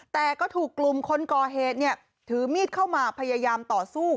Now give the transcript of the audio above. แต่ก็ถูกกลุ่มคนก่อเหตุถือมีดเข้ามาพยายามต่อสู้